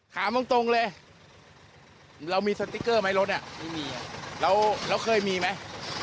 ถามตรงเลยเรามีสติ๊กเกอร์ไหมรถอ่ะไม่มีแล้วเคยมีไหม